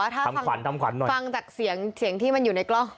ถ้าฟังจากเสียงที่มันอยู่ในกล้อง